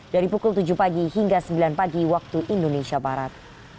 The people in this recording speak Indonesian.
dari pukul tujuh pagi hingga sembilan pagi waktu indonesia barat